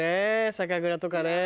酒蔵とかね。